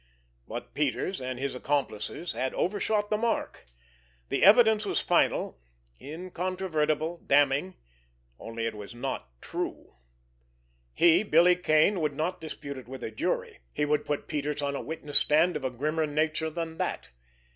But Peters and his accomplices had overshot the mark! The evidence was final, incontrovertible, damning—only it was not true. He, Billy Kane, would not dispute it with a jury—he would put Peters on a witness stand of a grimmer nature than that!